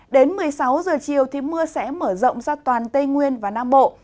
đến một mươi sáu h chiều mưa sẽ mở rộng ra toàn tây nguyên và nam bộ